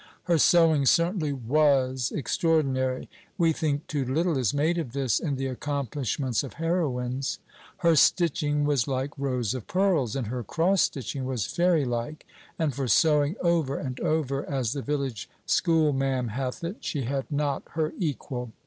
Her sewing certainly was extraordinary, (we think too little is made of this in the accomplishments of heroines;) her stitching was like rows of pearls, and her cross stitching was fairy like; and for sewing over and over, as the village schoolma'am hath it, she had not her equal.